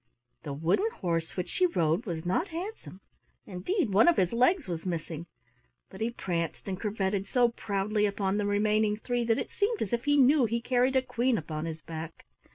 The wooden horse which she rode was not handsome, indeed one of his legs was missing, but he pranced and curvetted so proudly upon the remaining three that it seemed as if he knew he carried a Queen upon his back.